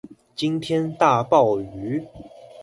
今天大暴雨